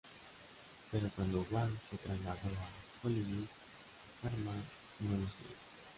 Pero cuando Walt se trasladó a Hollywood, Harman no lo siguió.